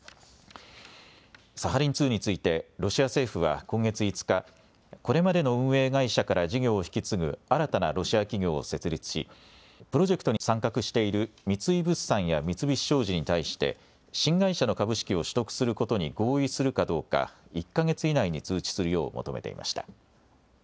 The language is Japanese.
サハリン２についてロシア政府は今月５日、これまでの運営会社から事業を引き継ぐ新たなロシア企業を設立し、プロジェクトに参画している三井物産や三菱商事に対して、新会社の株式を取得することに合意するかどうか、１か月以内に通知するよう求めていました。